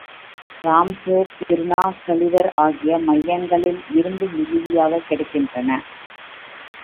Tromsø, கிருனா, Gulliver ஆகிய மையங்களில் இரும்பு மிகுதியாகக் கிடைக்கின்றது.